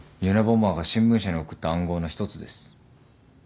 ユナボマーが新聞社に送った暗号の一つです。